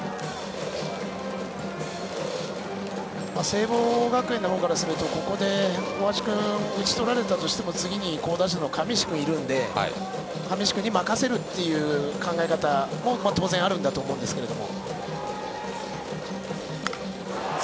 聖望学園のほうからするとここで大橋君を打ち取られたとしても次に好打者の上石君もいるので上石君に任せるという考え方も当然、あるんだと思いますけど。